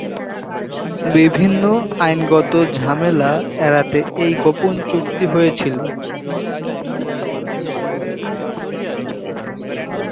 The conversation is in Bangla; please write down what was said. বিভিন্ন আইনগত ঝামেলা এড়াতে এই গোপন চুক্তি হয়েছিল।